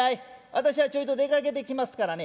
私はちょいと出かけてきますからね